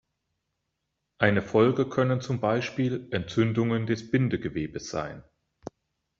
Eine Folge können zum Beispiel Entzündungen des Bindegewebes sein.